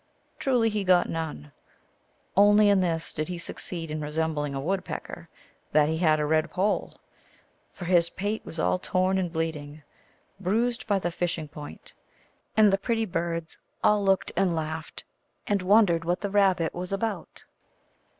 Truly he got none ; only in this did he succeed in resem bling a Woodpecker, that he had a red poll ; for his pate was all torn and bleeding, bruised by the fishing point. And the pretty birds all looked and laughed, and wondered what the Rabbit was about.